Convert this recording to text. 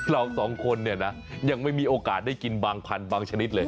เราสองคนเนี่ยนะยังไม่มีโอกาสได้กินบางพันธุ์บางชนิดเลย